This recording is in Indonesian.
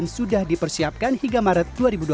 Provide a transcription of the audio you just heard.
sudah dipersiapkan hingga maret dua ribu dua puluh